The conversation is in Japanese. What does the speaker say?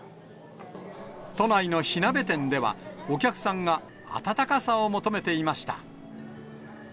都内の火鍋店では、お客さんが温かさを求めていました。